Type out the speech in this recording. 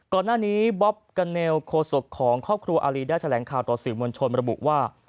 ก่อนหน้านี้บ๊อบกาเนลโคศกของครอบครัวอารีได้แถลงข่าวต่อสื่อมวลชนระบุว่า